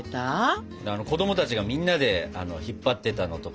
子供たちがみんなで引っ張ってたのとか。